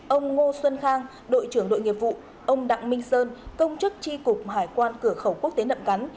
ông ngô xuân khang đội trưởng đội nghiệp vụ ông đặng minh sơn công chức tri cục hải quan cửa khẩu quốc tế nậm cắn